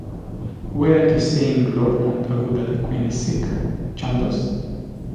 Weren’t you saying Lord Montagu that the Queen is sick, Chandos?